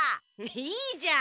いいじゃん。